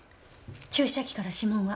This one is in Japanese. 注射器から指紋は？